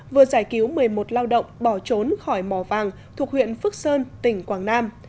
vừa giải cứu một mươi một lao động bỏ trốn khỏi mò vàng thuộc huyện phước sơn tỉnh quảng nam